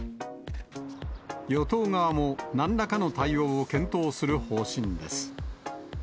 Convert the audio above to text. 与党側も、なんらかの対応を検討する方針です。